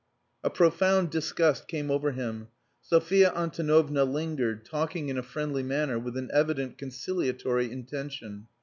A profound disgust came over him. Sophia Antonovna lingered, talking in a friendly manner with an evident conciliatory intention.